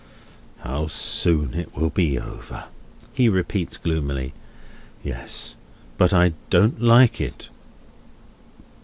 "How soon it will be over!" he repeats gloomily. "Yes. But I don't like it."